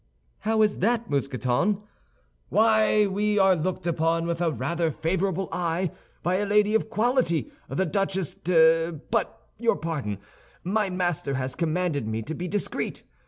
"How is that, Mousqueton?" "Why, we are looked upon with a rather favorable eye by a lady of quality, the Duchesse de—but, your pardon; my master has commanded me to be discreet.